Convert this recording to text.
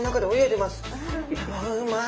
わうまい！